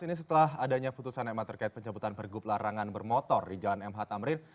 ini setelah adanya putusan ma terkait pencabutan pergub larangan bermotor di jalan mh tamrin